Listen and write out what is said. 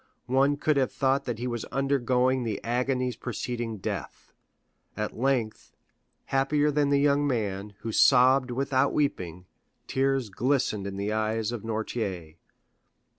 One could have thought that he was undergoing the agonies preceding death. At length, happier than the young man, who sobbed without weeping, tears glistened in the eyes of Noirtier.